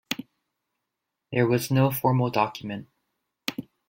There was no formal document.